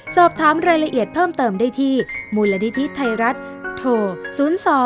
สอบถามรายละเอียดเพิ่มเติมได้ที่มูลนิธิไทยรัฐโทร๐๒